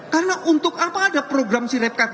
karena untuk apa ada program si rekap